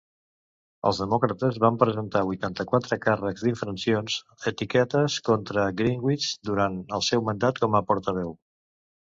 Els demòcrates van presentar vuitanta-quatre càrrecs d'infraccions ètiques contra Gingrich durant el seu mandat com a portaveu.